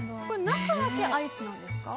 中だけアイスなんですか？